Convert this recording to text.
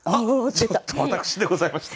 ちょっと私でございました。